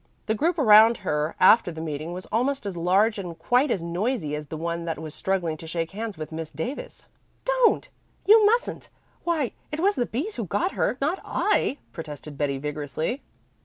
The group around her after the meeting was almost as large and quite as noisy as the one that was struggling to shake hands with Miss Davis. "Don't! You mustn't. Why, it was the B's who got her, not I," protested Betty vigorously.